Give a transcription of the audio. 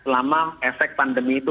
lama efek pandemi itu